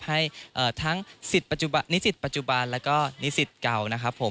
ให้ทั้งสิทธิ์นิสิตปัจจุบันแล้วก็นิสิตเก่านะครับผม